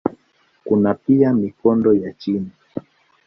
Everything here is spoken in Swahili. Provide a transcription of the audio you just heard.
Kuna pia mikondo ya chini.